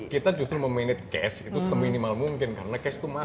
kita justru memanage cash itu seminimal mungkin karena cash itu masuk